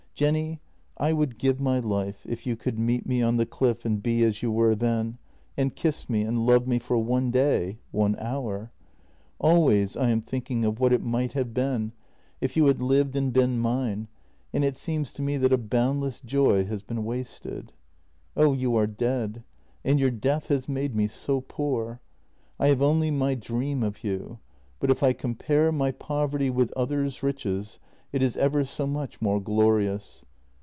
Jenny, I would give my life if you could meet me on the cliff and be as you were then, and kiss me and love me for one day, one hour. Always I am thinking of what it might have JENNY 3°5 been if you had lived and been mine, and it seems to me that a boundless joy has been wasted. Oh, you are dead, and your death has made me so poor. I have only my dream of you, but if I compare my poverty with others' riches it is ever so much more glorious.